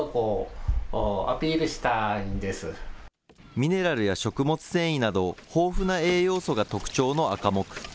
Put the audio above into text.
ミネラルや食物繊維など、豊富な栄養素が特徴のアカモク。